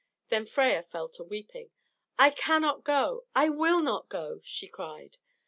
Then Freia fell to weeping. "I cannot go! I will not go!" she cried.